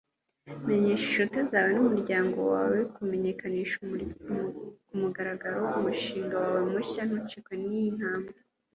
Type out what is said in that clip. menyesha inshuti zawe n'umuryango wawe kumenyekanisha kumugaragaro umushinga wawe mushya. ntucikwe n'iyi ntambwe